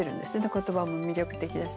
言葉も魅力的だし。